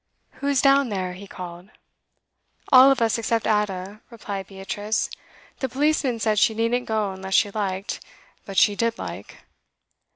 'Who is down there?' he called. 'All of us except Ada,' replied Beatrice. 'The policeman said she needn't go unless she liked, but she did like.